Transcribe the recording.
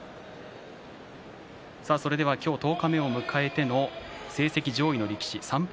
今日十日目を迎えての成績上位の力士３敗